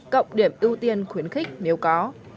cộng điểm ưu tiên khuyến khích nếu có